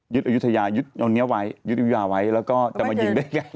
ยึดอยุทยาไว้แล้วก็จะมายิงได้ไง